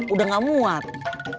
udah gak mau